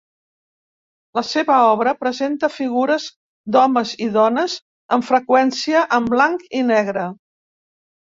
La seva obra presenta figures d"homes i dones, amb freqüència en blanc i negre.